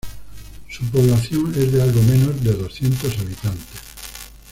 Su población es de algo menos de doscientos habitantes.